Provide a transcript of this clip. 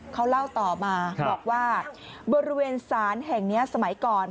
เขาเล่าต่อมาบอกว่าบริเวณศาลแห่งนี้สมัยก่อน